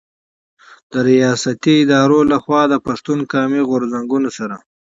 د رياستي ادارو له خوا د پښتون قامي غرځنګونو سره